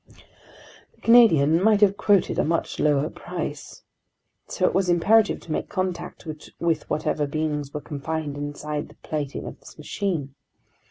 The Canadian might have quoted a much lower price. So it was imperative to make contact with whatever beings were confined inside the plating of this machine.